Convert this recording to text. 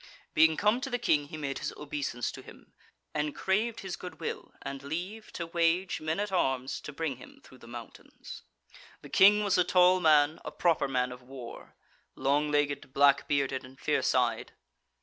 Being come to the King, he made his obeisance to him, and craved his good will and leave to wage men at arms to bring him through the mountains. The King was a tall man, a proper man of war; long legged, black bearded, and fierce eyed.